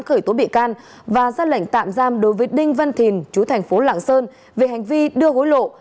khởi tố bị can và ra lệnh tạm giam đối với đinh văn thìn chú thành phố lạng sơn về hành vi đưa hối lộ